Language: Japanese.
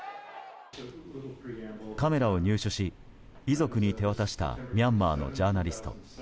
カメラを入手し遺族に手渡したミャンマーのジャーナリスト。